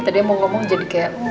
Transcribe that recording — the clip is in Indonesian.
tadi yang mau ngomong jadi kayak